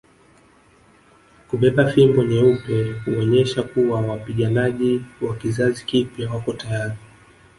Kubeba fimbo nyeupe huonyesha kuwa wapiganaji wa kizazi kipya wako tayari